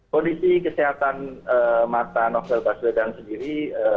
kondisi kesehatan mata novel baswedan sendiri